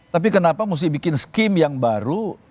tapi kenapa mesti bikin skim yang baru